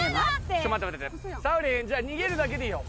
ちょっと待っててさおりん逃げるだけでいいよ